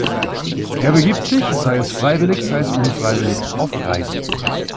Er begibt sich, sei es freiwillig, sei es unfreiwillig, auf Reisen.